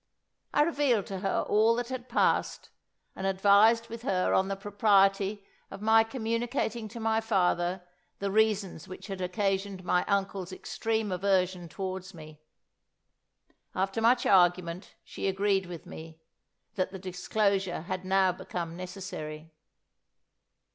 I revealed to her all that had passed, and advised with her on the propriety of my communicating to my father the reasons which had occasioned my uncle's extreme aversion towards me. After much argument, she agreed with me, that the disclosure had now become necessary.